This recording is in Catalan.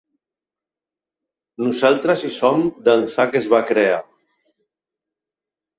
Nosaltres hi som d’ençà que es va crear.